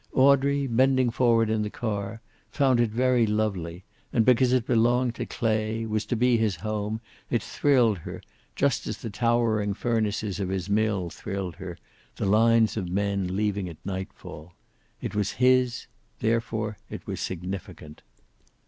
Audrey, bending forward in the car, found it very lovely, and because it belonged to Clay, was to be his home, it thrilled her, just as the towering furnaces of his mill thrilled her, the lines of men leaving at nightfall. It was his, therefore it was significant.